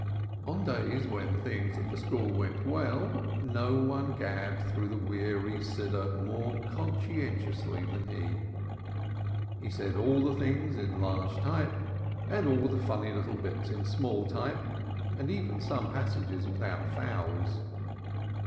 On days when things at the school went well, no one gabbled through the weary Prayer book more conscientiously than he; he said all the things in large type and all the funny little bits in small type, and even some passages without vowels.